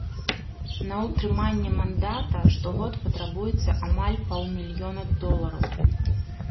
На ўтрыманне мандата штогод патрабуецца амаль паўмільёна долараў.